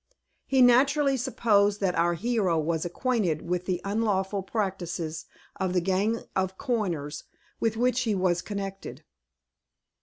He naturally supposed that our hero was acquainted with the unlawful practises of the gang of coiners with which he was connected.